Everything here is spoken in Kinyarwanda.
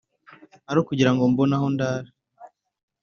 Ari ukugirango mbone aho ndara?